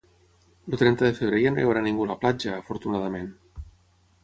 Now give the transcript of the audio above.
El trenta de febrer ja no hi haurà ningú a la platja, afortunadament